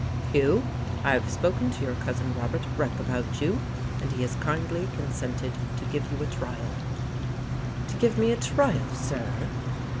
"Hugh, I have spoken to your Cousin Robert Breck about you, and he has kindly consented to give you a trial." "To give me a trial, sir!"